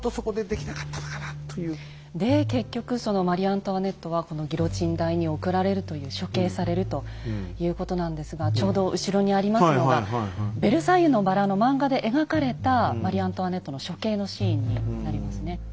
で結局そのマリ・アントワネットはこのギロチン台に送られるという処刑されるということなんですがちょうど後ろにありますのが「ベルサイユのばら」の漫画で描かれたマリ・アントワネットの処刑のシーンになりますね。